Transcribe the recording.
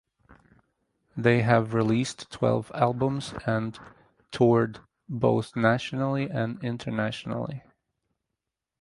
They have released twelve albums and toured both nationally and internationally.